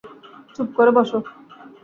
চুপ করে বসো।